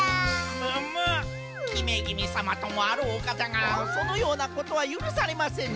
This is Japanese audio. むむっひめぎみさまともあろうおかたがそのようなことはゆるされませぬ。